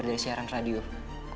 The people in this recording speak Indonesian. reditnya berada di sini